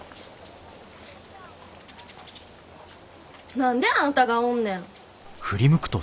何であんたがおんねん！？